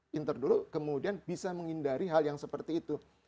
pinter dulu kemudian bisa menghindari hal yang seperti itu